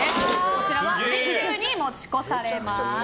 こちらは次週に持ち越されます。